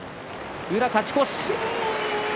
宇良、勝ち越し。